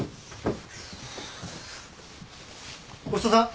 ごちそうさん。